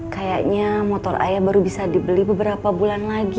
kayaknya motor ayah baru bisa dibeli beberapa bulan lagi